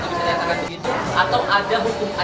atau ada hukum acara bidangnya yang tampaknya tidak dijalankan